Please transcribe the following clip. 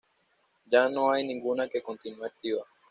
Ya no hay ninguna que continúe activa.